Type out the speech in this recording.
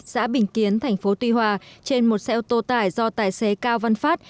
xã bình kiến tp tuy hòa trên một xe ô tô tải do tài xế cao văn phát